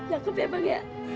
cakep ya bang ya